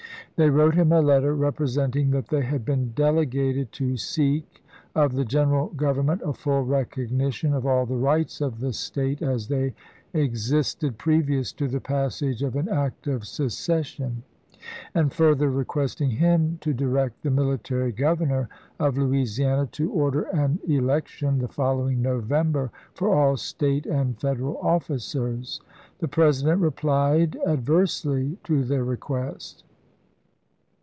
They wrote him a letter representing that they had "been delegated to seek of the Greneral Govern ment a full recognition of all the rights of the State as they existed previous to the passage of an act of secession," and further requesting him to di rect the military Governor of Louisiana to order 1S63. an election the following November for all State and Federal officers. The President replied ad versely to their request.